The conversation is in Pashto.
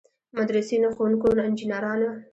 مدرسینو، ښوونکو، انجنیرانو.